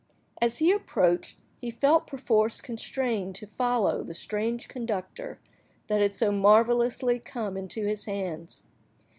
As he approached, he felt perforce constrained to follow the strange conductor, that had so marvellously come into his hands.